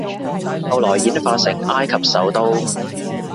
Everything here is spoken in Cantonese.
後來演化成埃及首都